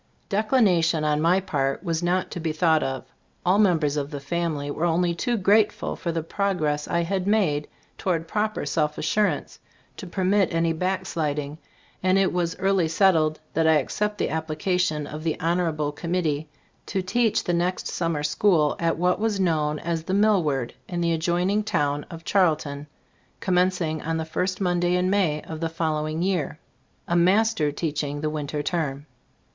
Declination, on my part, was not to be thought of. All members of the family were only too grateful for the progress I had made towards proper self assurance to permit any back sliding, and it was early settled that I accept the application of the honorable committee, to teach the next summer school at what was known as the "Mill ward" in the adjoining town of Charlton, commencing on the first Monday in May of the following year i22 Zbc Storg of Ac Cbtt&boofc — a "master" teaching the winter term.